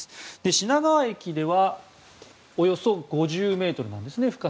品川駅では深さはおよそ５０ｍなんですね。